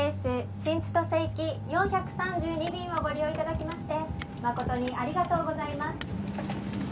新千歳行き４３２便をご利用頂きまして誠にありがとうございます」